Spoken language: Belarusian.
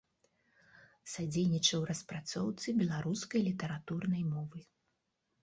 Садзейнічаў распрацоўцы беларускай літаратурнай мовы.